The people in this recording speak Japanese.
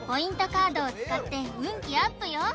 カードを使って運気アップよ